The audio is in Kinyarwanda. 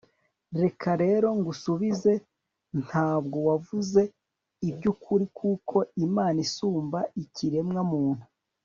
reka rero ngusubize: nta bwo wavuze iby'ukuri! kuko imana isumba ikiremwa muntu